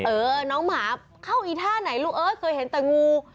เออน้องหมาเข้าอีท่าไหนลูกเอ้ยเคยเห็นแต่งู